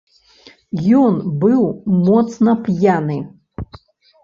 Ён быў моцна п'яны.